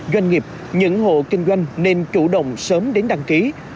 doanh nghiệp những hộ kinh doanh nên chủ động sớm đến đăng ký